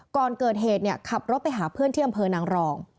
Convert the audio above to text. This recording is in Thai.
ก่อนเกิดเหตุขับรถไปหาเพื่อนที่อำเภอนางรอง